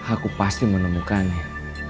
aku pasti menemukannya